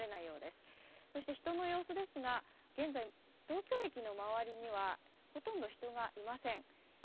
そして人の様子ですが、現在、東京駅の周りにはほとんど人がいません。